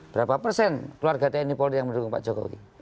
berapa persen keluarga tni polri yang mendukung pak jokowi